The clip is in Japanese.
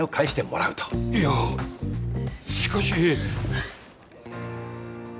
いやしかし。